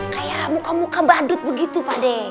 kayak muka muka badut begitu pak de